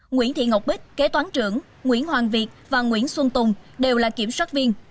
nguyễn thị ngọc bích kế toán trưởng nguyễn hoàng việt và nguyễn xuân tùng đều là kiểm soát viên